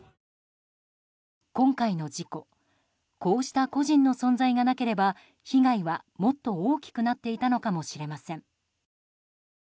今回の事故こうした個人の存在がなければ被害はもっと大きくなっていたのかもしれません。